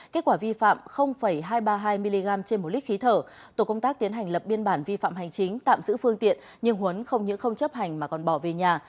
kết quả vi phạm hai trăm ba mươi hai mg trên một lít khí thở tổ công tác tiến hành lập biên bản vi phạm hành chính tạm giữ phương tiện nhưng huấn không những không chấp hành mà còn bỏ về nhà